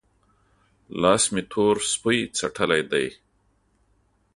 لاس مې تور سپۍ څټلی دی؟